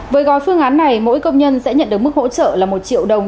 với gói phương án này mỗi công nhân sẽ nhận được mức hỗ trợ là một triệu đồng